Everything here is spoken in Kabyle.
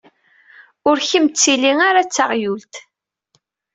Ur kem-ttili ara d taɣyult!